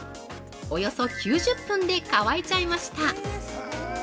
およそ９０分で乾いちゃいました。